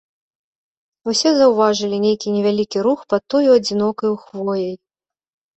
Усе заўважылі нейкі невялікі рух пад тою адзінокаю хвояй.